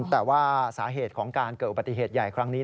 แต่ว่าสาเหตุของการเกิดอุบัติเหตุใหญ่ครั้งนี้